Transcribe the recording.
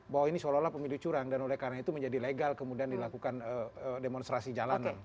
bahwa ini seolah olah pemicu curang dan oleh karena itu menjadi legal kemudian dilakukan demonstrasi jalanan